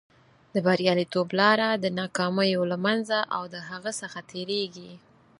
د بریالیتوب لاره د ناکامیو له منځه او د هغو څخه تېرېږي.